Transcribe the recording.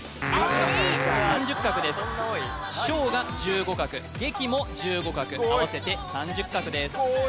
３０画です「衝」が１５画「撃」も１５画合わせて３０画です